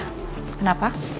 hai ya kenapa